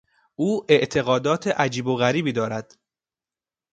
او اعتقادات عجیب و غریبی دارد.